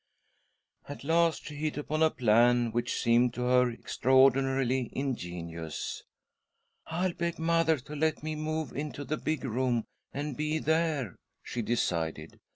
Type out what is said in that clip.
At last, she hit upon a plan which seemed to her extraordinarily ingenious. " I'll beg mother to let me move into the big room and he there," she decided..